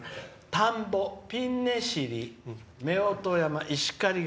田んぼ、ピンネシリ、石狩川。